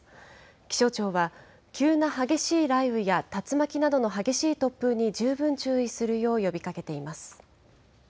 気象庁は、急な激しい雷雨や竜巻などの激しい突風に十分注意するよう呼びかけています。